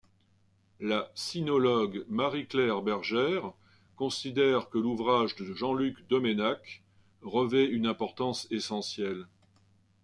La sinologue Marie-Claire Bergère considère que l'ouvrage de Jean-Luc Domenach revêt une importance essentielle.